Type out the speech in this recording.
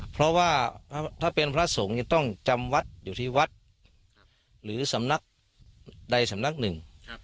เพราะว่าถ้าเป็นพระสงฆ์จะต้องจำวัดอยู่ที่วัดหรือสำนักใดสำนักหนึ่ง